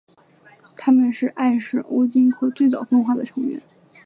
它们是艾什欧鲸科最早分化的成员。